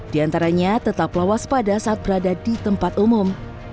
di antaranya tetap lawas pada saat berada di tempat umum